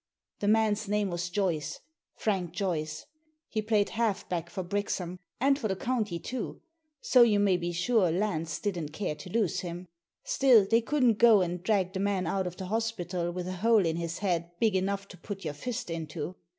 The man's name was Joyce, Frank Joyce. He played half back for Brixham, and for the county too — so you may be sure Lance didn't care to lose him. Still, they couldn't go and drag the man out of the hospital with a hole in his head big enough to put your fist into.